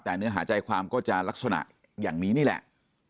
แต่เนื้อหาใจความก็จะลักษณะอย่างนี้นี่แหละ